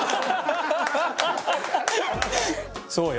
そうよ。